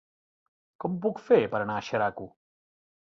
Com ho puc fer per anar a Xeraco?